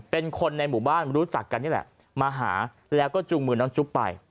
เป็นคนในหมู่บ้านรู้จักกันนี่แหละมาหาแล้วก็จูงมือน้องจุ๊บไป